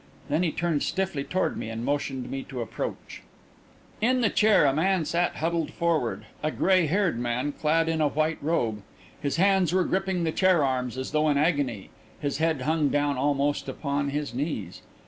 Then he turned stiffly toward me and motioned me to approach. In the chair a man sat huddled forward a grey haired man, clad in a white robe. His hands were gripping the chair arms as though in agony. His head hung down almost upon his knees.